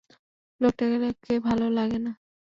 লোকটাকে ভালো লাগে না!